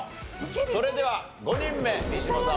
それでは５人目三島さん